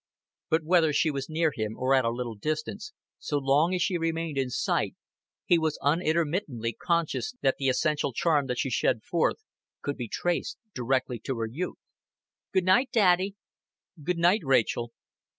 But whether she was near him or at a little distance, so long as she remained in sight, he was unintermittently conscious that the essential charm that she shed forth could be traced directly to her youth. "Good night, daddy." "Good night, Rachel."